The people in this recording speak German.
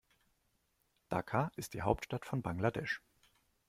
Dhaka ist die Hauptstadt von Bangladesch.